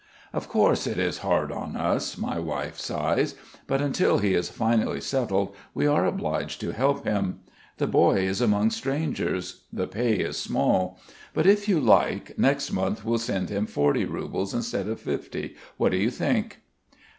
"Of course it is hard on us," my wife sighs. "But until he is finally settled we are obliged to help him. The boy is among strangers; the pay is small. But if you like, next month we'll send him forty roubles instead of fifty. What do you think?"